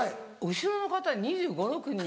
後ろの方２５２６歳に。